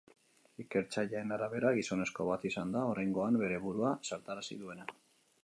Ikertzaileen arabera, gizonezko bat izan da oraingoan bere burua zartarazi duena.